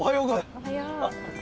おはよう。